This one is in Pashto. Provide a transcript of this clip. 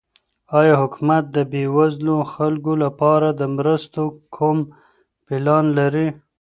آیا حکومت د بېوزلو خلکو لپاره د مرستو کوم پلان لري؟